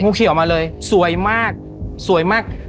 เขียวมาเลยสวยมากสวยมาก